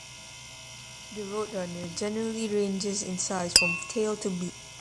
The roadrunner generally ranges in size from from tail to beak.